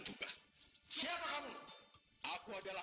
tidak bu ine